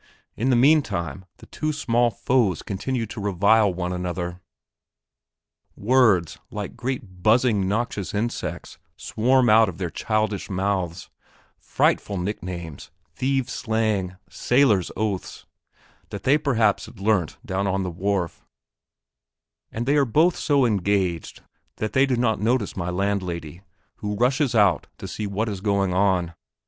In the meantime, the two small foes continued to revile one another. Words like great buzzing noxious insects swarm out of their childish mouths; frightful nicknames, thieves' slang, sailors' oaths, that they perhaps had learnt down on the wharf; and they are both so engaged that they do not notice my landlady, who rushes out to see what is going on.